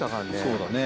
そうだね。